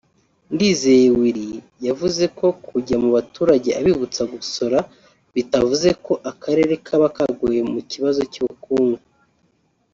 Ndizeye Willy yavuze ko kujya mu baturage abibutsa gusora bitavuze ko Akarere kaba kaguye mu kibazo cy’ubukungu